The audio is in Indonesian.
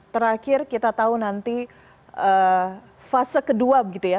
terakhir kita tahu nanti fase kedua begitu ya